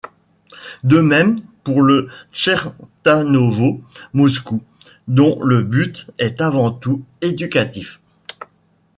De même pour le Tchertanovo Moscou, dont le but est avant tout éducatif.